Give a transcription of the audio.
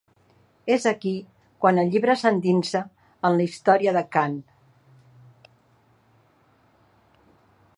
És aquí quan el llibre s'endinsa en la història de Khan.